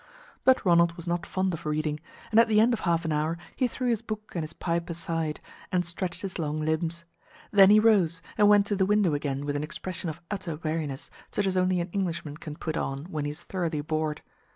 But Ronald was not fond of reading, and at the end of half an hour he threw his book and his pipe aside, and stretched his long limbs. Then he rose and went to the window again with an expression of utter weariness such as only an Englishman can put on when he is thoroughly bored.